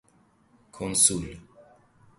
کنسول